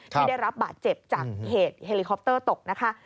ที่ได้รับบาดเจ็บจากเหตุเฮลิคอปเตอร์ตกนะคะ